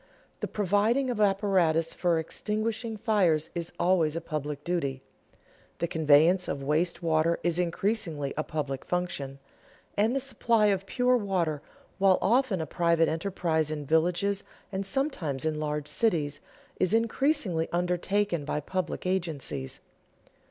The providing of apparatus for extinguishing fires is always a public duty; the conveyance of waste water is increasingly a public function; and the supply of pure water, while often a private enterprise in villages, and sometimes in large cities, is increasingly undertaken by public agencies.